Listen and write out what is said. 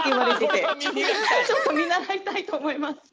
ちょっとみならいたいとおもいます。